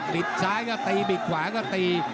ซ้ายก็ตีบิดขวาก็ตี